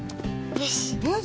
よし。